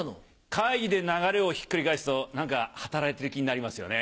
会議で流れをひっくり返すと何か働いてる気になりますよね。